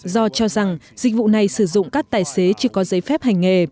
do cho rằng dịch vụ này sử dụng các tài xế chưa có giấy phép hành nghề